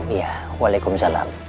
iya walaikum salam